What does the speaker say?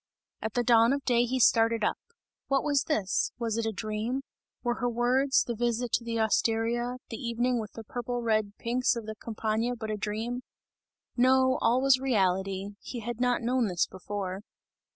At the dawn of day he started up. What was this? Was it a dream? Were her words, the visit to the osteria, the evening with the purple red pinks of the Campagna but a dream? No, all was reality; he had not known this before.